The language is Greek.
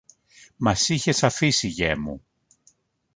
Μας είχες αφήσει, γιε μου